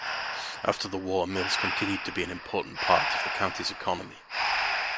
After the war mills continued to be an important part of the county's economy.